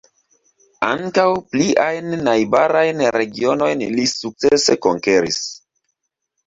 Ankaŭ pliajn najbarajn regionojn li sukcese konkeris.